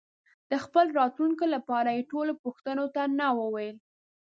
د خپل راتلونکي لپاره یې ټولو پوښتنو ته نه وویل.